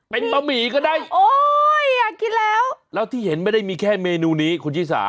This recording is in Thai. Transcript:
เป็นบะหมี่ก็ได้โอ้ยอ่ะคิดแล้วแล้วที่เห็นไม่ได้มีแค่เมนูนี้คุณชิสา